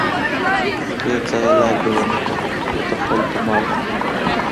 بې ځایه لاپې و نه کړي او د خلکو مال و نه خوري.